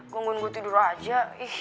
gungguan gue tidur aja